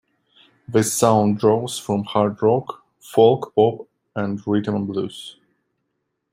This sound draws from hard rock, folk, pop and rhythm and blues.